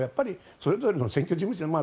それぞれの選挙事務所